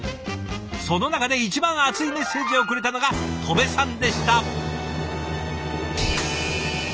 その中で一番熱いメッセージをくれたのが戸部さんでした。